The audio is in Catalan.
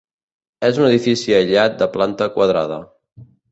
És un edifici aïllat de planta quadrada.